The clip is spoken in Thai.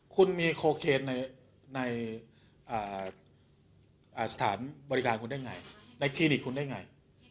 คุณมีโคเคนในสถานบริการคุณได้ไงในคลินิกคุณได้ไง